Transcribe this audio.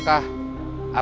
bukan orang yang serakah